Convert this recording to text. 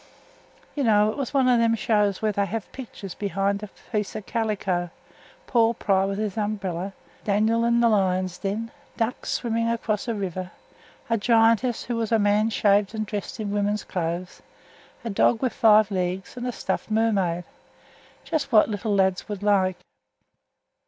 You know it was one o' them shows where they hev pictures behind a piece o' calico, Paul Pry with his umbrella, Daniel i' th' lions' den, ducks swimming across a river, a giantess who was a man shaved and dressed in women's clothes, a dog wi' five legs, and a stuffed mermaid just what little lads would like.